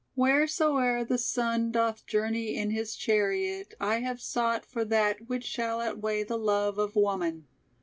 "Wheresoe'er the Sun Doth journey in his chariot, I have sought For that which shall outweigh the love of woman.